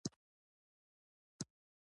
موږ اوه سوه پونډه کاغذ لرو